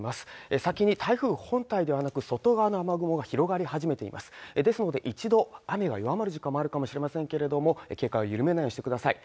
先に台風本体ではなく外側の雨雲が広がり始めていますので一度雨が弱まる時間もあるかもしれませんけれども警戒を緩めないにしてください